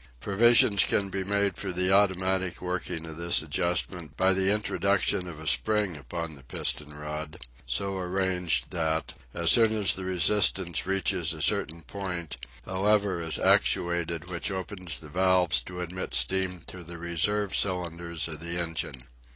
Provision can be made for the automatic working of this adjustment by the introduction of a spring upon the piston rod, so arranged that, as soon as the resistance reaches a certain point, a lever is actuated which opens the valves to admit steam to the reserve cylinders of the engine.